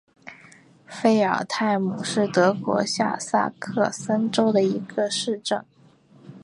费尔泰姆是德国下萨克森州的一个市镇。